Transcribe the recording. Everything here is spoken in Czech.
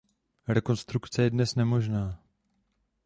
Rekonstrukce je dnes nemožná.